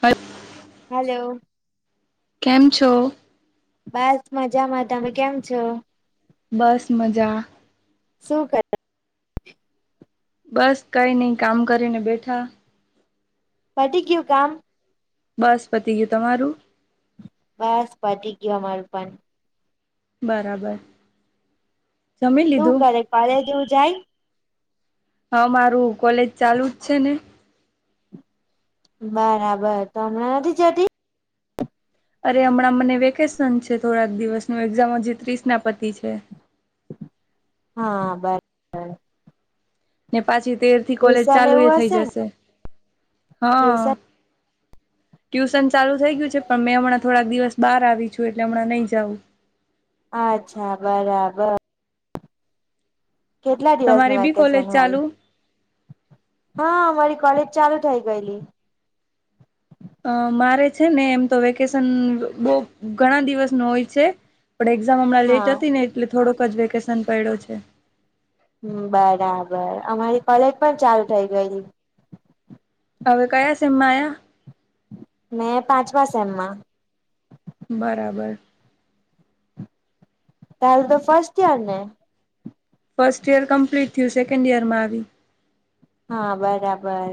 હલ હલો. કેમ છો? બસ મજામાં તમે કેમ છો? બસ મજા? શુ કરે બસ કઈ નઈ કામ કરીને બેઠા પતી ગયું કામ બસ પતી ગયું તમારું બસ પતી ગયુ અમારું પણ બરાબર જમી શું લીધું કરે કાલે જેવું જાય હા મારું કોલેજ ચાલુ જ છે ને બરાબર તો હમણાં નથી જતી અરે હમણાં મને વેકેશન છે થોડાક દિવસનું એક્ઝામ હજી ત્રીસ ના પતી છે હા બરા ને પાછી તેર થી કોલેજ ટ્યુશન ચાલુ એ એવું થઈ હશે ને જશે હા ટ્યુશન ટ્યુશન ચાલું થઈ ગયું છે પણ મેં હમણાં થોડાક દિવસ બહાર આવી છું એટલે હમણાં નહીં જાઉં અચ્છા બરાબર કેટલા દિવસ નું તમારી બી કોલેજ વેકેશન હોય ચાલુ હા અમારી કોલેજ ચાલુ થઇ ગયેલી અ મારે છે ને એમ તો વેકેશન બહું ઘણા દિવસનુ હોય છે પણ એક્ઝામ હમણાં હા લેટ હતી ને એટલે થોડોક જ વેકેશન પડ્યો છે હમ બરાબર અમારી કોલેજ પણ ચાલુ થઇ ગયેલી હવે કયા સેમમાં આયા મેં પાંચમાં સેમમાં બરાબર તારૅ તો ફસ્ટ ઇયર ને ફર્સ્ટ યર કમ્પ્લીટ થયું સેકન્ડ ઈયરમાં આવી હા બરાબર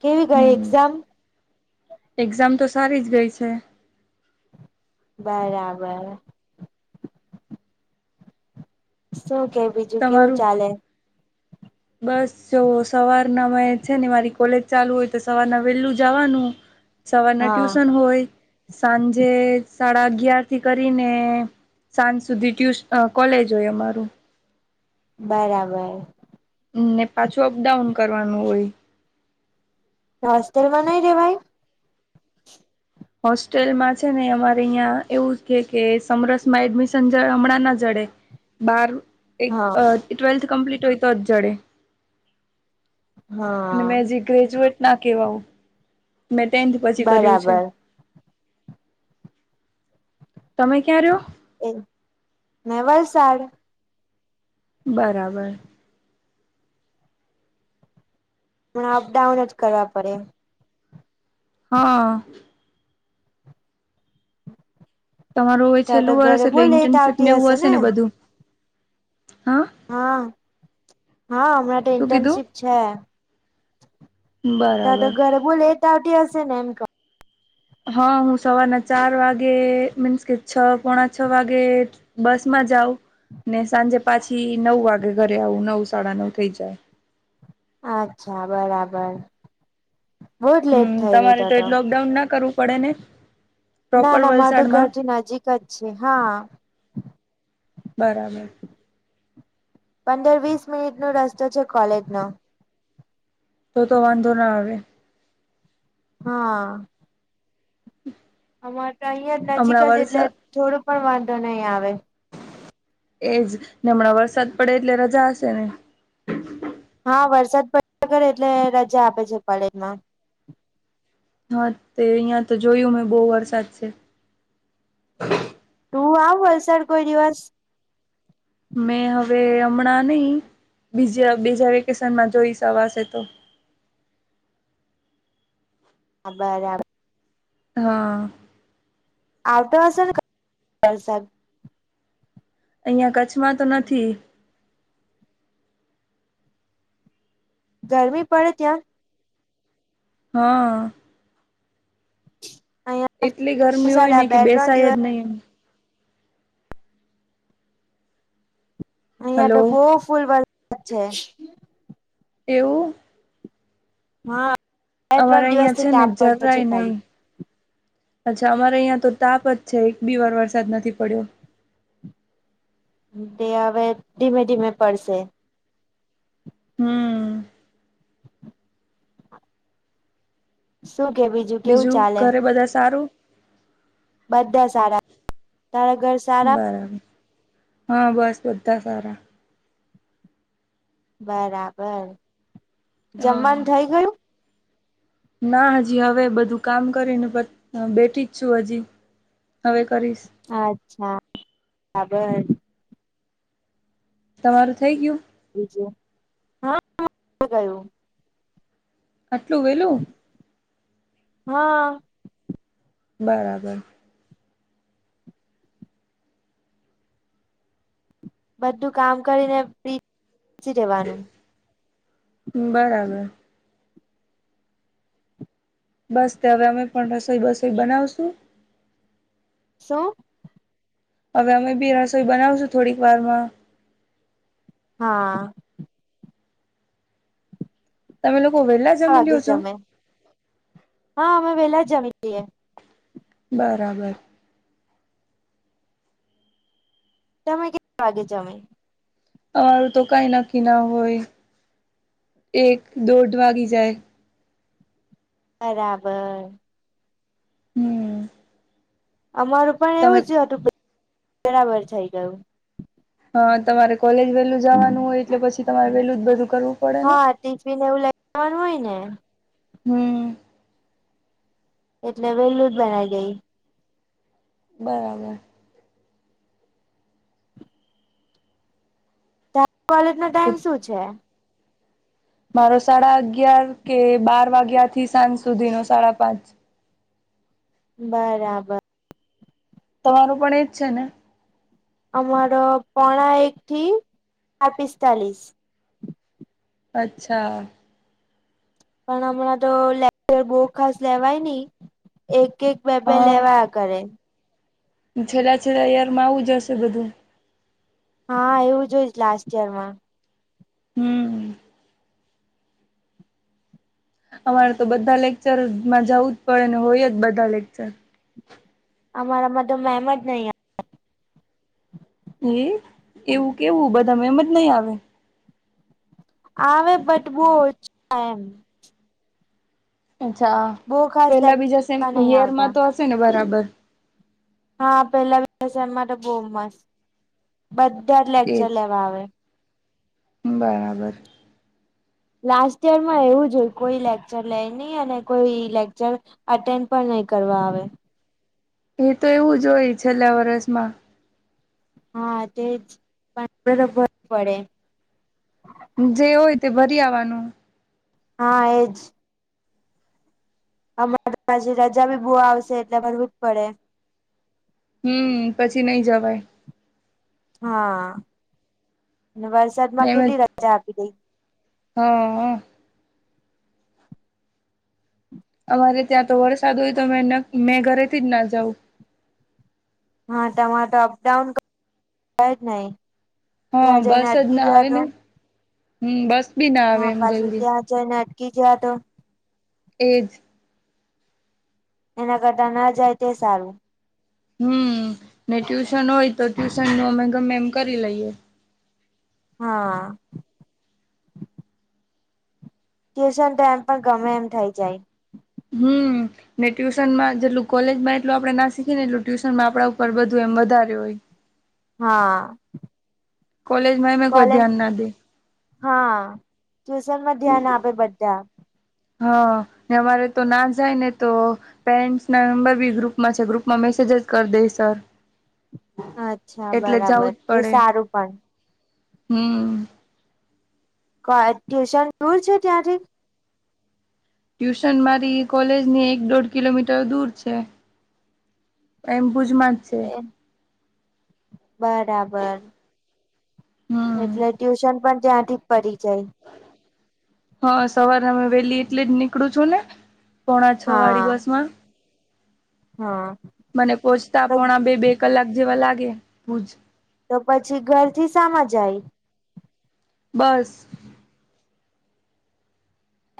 કેવી ગઈ હમ એક્ઝામ એક્ઝામ તો સારી જ ગઈ છે બરાબર શું કે બીજું કેવું તમારું ચાલે બસ જો સવારના મે છે ને મારી કોલેજ ચાલુ હોય તો સવારના વહેલું જવાનું સવારના હા ટ્યુશન હોય સાંજે સાડા અગિયાર થી કરીને સાંજ સુધી ટ્યુશ કોલેજ હોય અમારું બરાબર ને પાછું અપડાઉન કરવાનું હોય હોસ્ટલમાં નઈ રેવાઈ હોસ્ટેલમાં છે ને અમારે અહીયા એવું કે કે સમરસમાં એડમિશન જોયે હમણાં ના જડે બાર એક હા ટ્વેલ્થ કમ્પ્લીટ હોય તો જ જડે મેં હા હાજી ગ્રેજ્યુએટ ના કેવાવ મેં ટેન્થ પછી કર્યું છે બરાબર તમે ક્યાં રહ્યો એમ ને વલસાડ બરાબર પણ અપડાઉન જ કરવા પડે હ તમારું ત તો છેલ્લું વર્ષ ઘરે બો એટલે લેટ ઇન્ટર્નશીપ આવતી નેવું હશે ને બધું હા હા હા હમણાં- શું તે કીધું? ઇનશીપ છે. ત્યા તો બરાબર. ઘરે બહુ લેટ આવટી હશે ને એમ ક હા હું સવારના ચાર વાગે મીન્સ કે છ પોણા છ વાગે બસ માં જાઉ ને સાંજે પાછી નવ વાગે ઘરે આવું નવ સાડા નવ થઈ જાય. અચ્છા, બરાબર. બહુ જ લેટ હમ થઈ રહી તમારે તો એ તો. લોકડાઉન ના કરવું પડે ને ના પ્રોપર ના માર તો વલસાડમાં ઘરથી નજીક જ છે હા. બારબર. પંદર વીસ મિનિટ નો રસ્તો છે કોલેજ નો. તો તો વાંધો ના આવે. હા. અમારે તો અહિયાં નજીક હમણાં જ એટલે વરસાદ થોડો પણ વાંધો નહી આવે. એજ ને હમણાં વરસાદ પડે એટલે રજા હશે ને? હા, વરસાદ પડ્યા કરે એટલે રજા આપે છે કોલેજમાં. હા, તે અહિયાં તો જોયું મેં બહુ વરસાદ છે. તું આવ વલસાડ કોઈ દિવસ. મેં હવે હમણાં નહી બીજા બીજા વેકેશનમાં જોઈસ અવાસે તો. અહ બરા હા. આવતો હશે ને ક વરસાદ? અહિયાં કચ્છમાં તો નથી. ગરમી પડે ત્યાં? હા. અ એટલી ગરમી હોય ને કે બેસાય જ નહી એ. અહિયાં હલો ડબ્બો ફૂલ વરસાદ છે. એવું? હા. બે અમારે ત્રણ દિવસ અહિયાં થી છે ને તાપ પડતો છે જરાય ન. ખાલી અચ્છા અમારે અહં તો તાપ જ છે એક બી વાર વરસાદ નથી પડ્યો. તે આવેવે ધીમે ધીમે પડશે. હમ. શું કે બીજું? કેવું બીજું ચાલે ઘરે બધા સારું? બધા સારા, તાર ઘર સારા બરાબર, હા બસ બધા સારા. બરાબર, હા જમવાનું થઇ ગયું? ના હજી હવે બધું કામ કરીને બેઠી જ છું હજી. હવે કરીશ. અચ્છા, બરાબર. તમારું થઈ ગયું? બજું હા ગયું. આટલું વેલું? હા. બરાબર. બધું કામ કરીને ફ્રી ચી જવાનું. બરાબર. બસ તે હવે અમે પણ રસોઈ બસોઈ બનાવશું. શું? હવે અમે બી રસોઈ બનાવશું થોડીક વાર માં હા તમે લોકો વેલા વાગે જમે હા અમે વેલા જમી લઈએ બરાબર તમે કે વાગે જામે અમારું તો કઈ નક્કી ના હોય એક દોઢ વાગી જાય બરાબર હમ અમારું પણ તમે એવું જ હતું બરાબર થઈ ગયું હા તમારે કોલેજ વેલું જવાનું હોય એટલે પછી તમારે વેલું જ બધું કરવું પડે ને હા ટિફિન એવું લઈ જવાનું હોય ને હમ એટલે વેલું જ બનાવી દઈ બરાબર કોલેજ નો તો ટાઈમ શું છે? મારો સાડા અગયાર કે બાર વાગ્યા થી સાંજ સુધીનો સાડા પાંચ બરાબ તમારો પણ એજ છે ને અમારો પોણા એકથી આ પિસ્તાલીશ અચ્છા પણ હમણાં તો લેક્ચર બો ખાસ લેવાય ની એક એક બે બે હા લેવાયા કરે છેલ્લા છેલ્લા યારમાં આવું જ હશે બધું હા એવું જ એવું જ લાસ્ટ યર માં હમ અમારે તો બધા લેક્ચરમાં જવું જ પડે ને હોય જ બધા લેકચર અમારામાં તો મેમ જ નહીં આ એ એવું કેવું બધા એમ જ નહી આવે આવે બટ બો ઓછા એમ અચ્છા બહુ ખાસ પેલા બીજા લેક્ચર સેમાં નહી આવતા યરમાં તો હશે ને બરાબર હા પેલા સેમ મા તો બો મસ્ત બધા જ એજ લેક્ચર લેવા આવે બરાબર લાસ્ટ યર માં એવું જો હોય કોઈ લેક્ચર લે નઈ અને કોઈ લેક્ચર અટેન્ડ પણ નહી કરવા આવે એ તો એવું જ હોય છેલ્લા વરષમાં હા તે પણ [unintelligible] પડે જે હોય તે ભરી આવાનું હા એજ અમારે પાછી રજા બી બો આવશે એટલે ભરવું જ પડે હમ પછી નઈ જવાય હા અને વરસાદમાં ને એમ જ કેટલી રજા આપી દેય હા અમારે ત્યાં તો વરસાદ હોય તો મે મેં ઘરેથી જ ના જાઉં હા તમારે તો અપડાઉન જ નઈ હા ત્યાં જઈને બસ જ અટકી ના ગયા આવે તો ને હમ બસ બી ના આવે હા એમ પાછુ જલ્દી ત્યાં જઈ ને અટકી ગયા તો એજ એના કરતા ના જાય તે સારું હમ ને ટ્યુશન હોય તો ટ્યુશન નો અમે ગમે એમ કરી લઈએ હા ટ્યુશન તો એમ પણ ગમે એમ થઇ જાય હમ ને ટ્યુશનમાં જેટલું કોલેજમાં એટલું આપણેે ના શીખી ને એટલું ટ્યુશનમાં આપણા ઉપર બધું એમ વધારે હોય હા કોલેજ માંં એમ એય કોઈ કોલેજ ધ્યાન ના દે હા ટ્યુશનમાં ધ્યાન આપે બધા હા ને અમારે તો ના જાય ને તો પેરેન્ટસ ના નંબર બી ગ્રુપમાં છે ગ્રુપમાં મેસેજ જ કર દે સર અચ્છા એટલે જવું બરાબર જ એ પડે સારું પણ હમ કો ટ્યુશન દુર છે ત્યાંથી ટ્યુશન મારી કોલેજની એક દોઢ કિલોમીટર દૂર છે એમ ભૂજમાં એ બરાબર હા એટલે ટ્યુશન પણ ત્યાંથી પડી જાય હા સવાર અમે વેલી એટલે જ નીકળું છું ને પોણા છ વાળી બસ હા માં હા મને પહોચતા તો પોણા બે બે કલાક જેવા લાગે ભુજ તો પછી ઘર થી સામા જાય બસ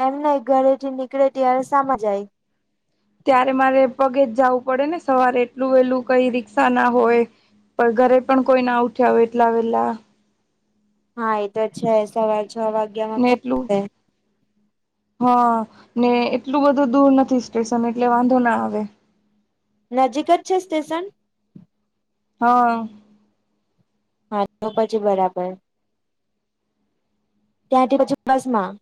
એમ નઈ ઘરે થી નીકળે ત્યારે સામા જાય ત્યારે મારે પગે જ જાવું પડે ને સવારે એટલું વેલું કઈ રીક્ષા ના હોય પણ ઘરે પણ કોઈ ના ઉઠ્યા હોય એટલા વેલા હા એ તો છે સવાર છ વાગ્યા માં ને કોણ એટલું [unintelligible] હા ને એટલું બધું દૂર નથી સ્ટેશન એટલે વાંધો ના આવે નજીક જ છે સ્ટેશન હા હા તો પછી બરાબર ત્યાંથી પછી બસ માં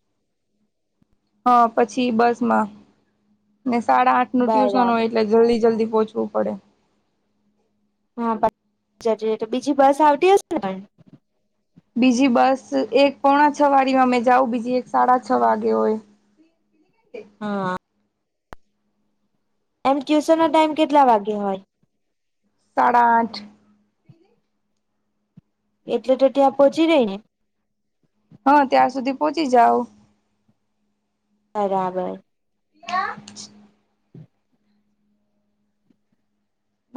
હા પછી બસ માં ને સાડા આઠ નું ટ્યુશન બરાબર હોય એટલે જલ્દી જલ્દી પહોંચવું પડે હા [unintelligible] બીજી બસ આવતી હશે ને પણ બીજી બસ એક પોણા છ વાળીમાં મે જાઉ બીજી એક સાડા છ વાગે હોય હા એમ ટ્યુશન નો ટાઈમ કેટલા વાગે હોય સાડા આઠ એટલે તો ત્યાં પહોંચી જાય ને હા ત્યાં સુધી પહોંચી જાવ બરાબર [unintelligible]